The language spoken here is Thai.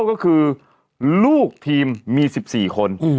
ก็คือลูกทีมมี๑๔คน